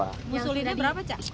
yang ngusulinnya berapa cak